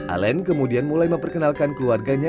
alen kemudian mulai memperkenalkan keluarganya